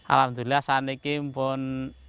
alhamdulillah saat ini pun